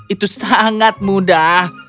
itu sangat mudah